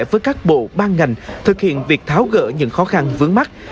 với các bộ ban ngành thực hiện việc tháo gỡ những khó khăn vướng mắt